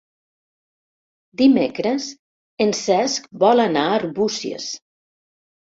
Dimecres en Cesc vol anar a Arbúcies.